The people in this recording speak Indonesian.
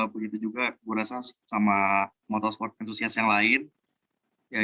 begitu juga gue rasa sama motorsport antusias yang lain